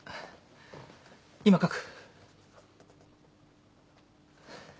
今書く。